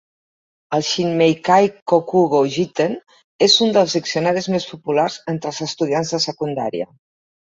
El "Shinmeikai kokugo jiten" és un dels diccionaris més populars entre els estudiants de secundària.